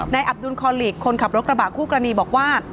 อับดุลคอลีกคนขับรถกระบะคู่กรณีบอกว่า